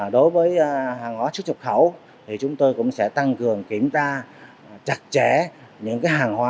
đối với hàng hóa xuất nhập khẩu thì chúng tôi cũng sẽ tăng cường kiểm tra chặt chẽ những hàng hóa